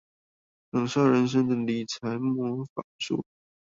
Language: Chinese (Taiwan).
享受人生的理財魔法書